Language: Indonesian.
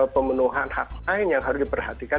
pemenuhan hak lain yang harus diperhatikan